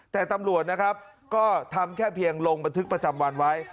แต่ตำรวจนะครับก็ทำแค่เพียงลงบันทึกประจำวันไว้